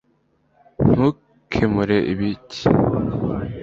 ntukemure bike